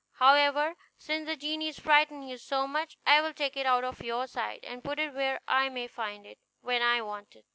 However, since the genies frighten you so much I will take it out of your sight, and put it where I may find it when I want it.